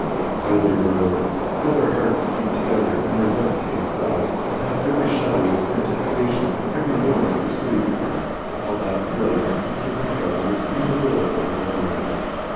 How they rode! How their hearts beat together and their breath came fast, and how every shadow was anticipation and every noise pursuit! For all that flight Mr. Hoopdriver was in the world of Romance.